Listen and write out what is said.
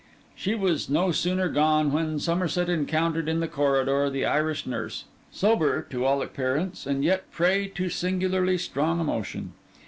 She was no sooner gone, than Somerset encountered in the corridor the Irish nurse; sober, to all appearance, and yet a prey to singularly strong emotion.